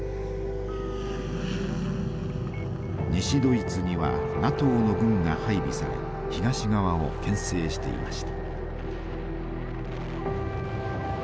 西ドイツにはＮＡＴＯの軍が配備され東側を牽制していました。